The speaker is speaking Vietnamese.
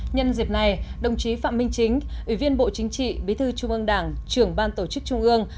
nhân dịp này đồng chí phạm minh chính ủy viên bộ chính trị bí thư trung ương đảng trưởng ban tổ chức trung ương